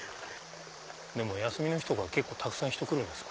でも休みの日とか結構たくさん人来るんですか？